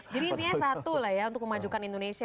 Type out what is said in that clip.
jadi intinya satu lah ya untuk memajukan indonesia